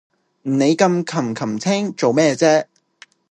你咁擒擒青做咩啫